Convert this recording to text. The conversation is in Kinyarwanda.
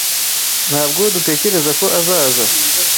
Ntabwo dutekereza ko azaza.